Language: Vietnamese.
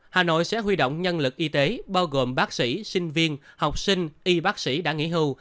hà nội sẽ huy động nhân lực y tế bao gồm bác sĩ sinh viên học sinh y bác sĩ đã nghỉ hưu